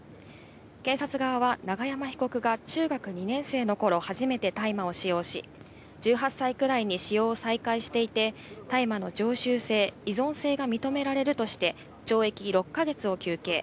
警察側は永山被告が中学２年生の頃、初めて大麻を使用し、１８歳くらいに使用を再開していて、大麻の常習性、依存性が認められるとして懲役６か月を求刑。